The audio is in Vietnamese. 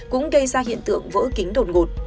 cũng gây ra hiện tượng vỡ kính đồn ngột